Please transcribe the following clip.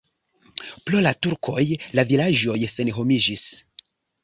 Pro la turkoj la vilaĝoj senhomiĝis.